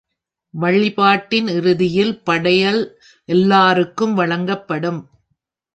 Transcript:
வழிபாட்டின் இறுதியில் படையல் எல்லாருக்கும் வழங்கப்படும்.